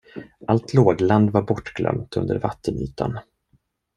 Allt lågland var bortglömt under vattenytan.